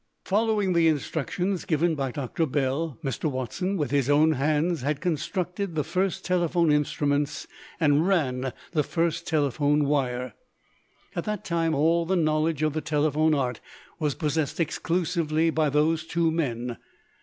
Following the instructions given by Doctor Bell, Mr. Watson with his own hands had constructed the first telephone instruments and ran the first telephone wire. At that time all the knowledge of the telephone art was possessed exclusively by those two men.